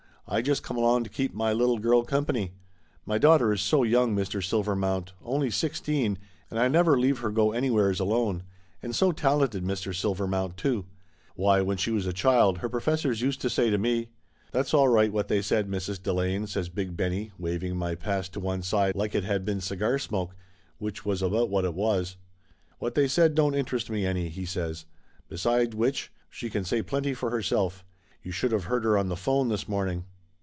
I just come along to keep my little girl company. My daugh ter is so young, Mr. Silvermount, only sixteen, and I never leave her go anywheres alone. And so talented, Mr. Silvermount, too. Why, when she was a child, her professors used to say to me " "That's all right, what they said, Mrs. Delane," says Big Benny, waving my past to one side like it had been cigar smoke which was about what it was. "What they said don't interest me any," he says. "Beside which, she can say plenty for herself. You should of heard her on the phone this morning!"